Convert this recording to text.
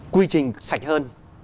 quy trình sạch hơn